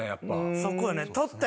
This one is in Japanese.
そこよね。